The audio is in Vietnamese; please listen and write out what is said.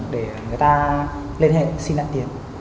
để người ta liên hệ xin lại tiền